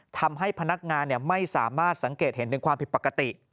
ทำให้พนักงานไม่สามารถสังเกตเห็นถึงความผิดปกติ